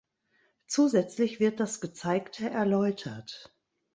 Zusätzlich wird das gezeigte erläutert.